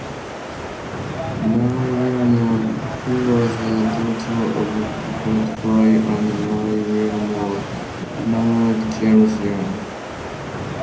Mary Wilmore, who was a daughter of Godfrey and Mary Wilmore, married James Young.